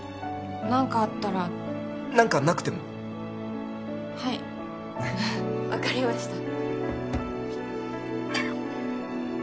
何かあったら何かなくてもはい分かりました